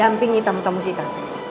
kampingi tamu tamu kita